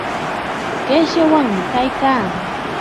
Wishqawanmi kaykaa.